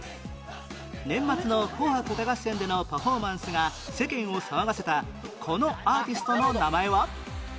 年末の『紅白歌合戦』でのパフォーマンスが世間を騒がせたこのアーティストの名前は？